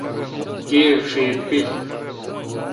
گائی ڄیر پل۔